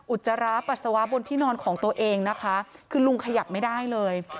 จราปัสสาวะบนที่นอนของตัวเองนะคะคือลุงขยับไม่ได้เลย